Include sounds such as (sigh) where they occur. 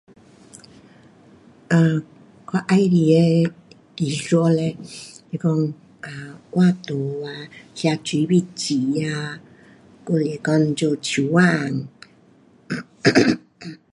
啊我喜欢的艺术嘞，是讲 um 画图啊，写水笔字啊，还是讲做手工。 (coughs)